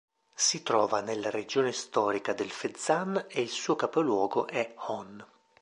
Si trova nella regione storica del Fezzan e il suo capoluogo è Hon.